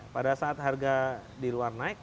pada saat harga di luar naik